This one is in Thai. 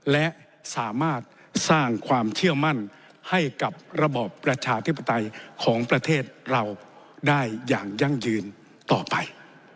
และสามารถสร้างความเชื่อมั่นให้กับระบอบประชาธิปไตยของประเทศเราได้อย่างยั่งยืนต่อไป